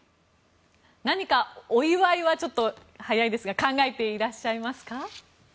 何かお祝いはちょっと早いですが考えていらっしゃいますか？